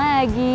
jadi mau lagi